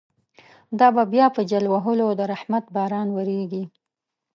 دابه بیا په جل وهلو، درحمت باران وریږی